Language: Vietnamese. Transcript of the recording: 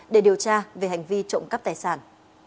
để điều tra về hành vi trộm cắp tài sản